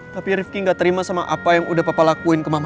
tapi rifki gak terima sama apa yang udah papa lakuin ke mama